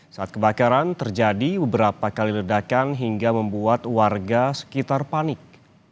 saat kebakaran terjadi beberapa kali ledakan hingga membuat warga sekitar panik